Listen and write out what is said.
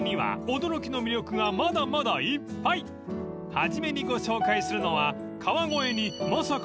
［初めにご紹介するのは］